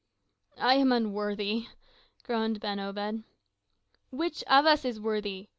"I am unworthy," groaned Ben Obed. "Which of us is worthy?"